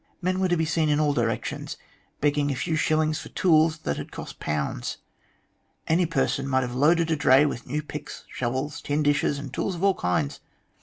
Men were to be seen in all directions begging a few shillings for tools that had cost pounds. Any person might have loaded a dray with new picks, shovels, tin dishes, and tools of all kinds.